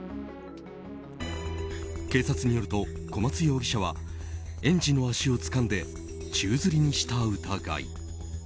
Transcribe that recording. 警察によると小松容疑者は園児の足をつかんで宙づりにした疑い。